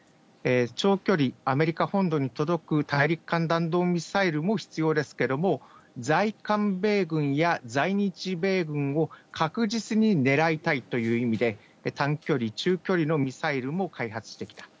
長距離、アメリカ本土に届く大陸間弾道ミサイルも必要ですけれども、在韓米軍や在日米軍を確実に狙いたいという意味で、短距離、中距離のミサイルも開発してきた。